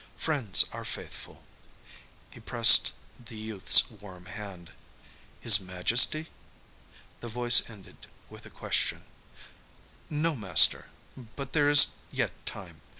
Friends are faithful" he pressed the youth's warm hand. "His Majesty?" the voice ended with a question. "No, master. But there is yet time.